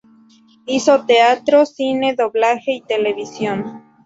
Hizo teatro, cine, doblaje y televisión.